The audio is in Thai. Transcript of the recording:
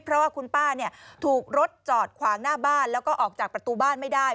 เพราะว่าคุณป้าถูกรถจอดขวางหน้าบ้านแล้วก็ออกจากประตูบ้านไม่ได้